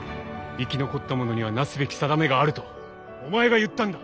生き残った者にはなすべき定めがあるとお前が言ったんだ。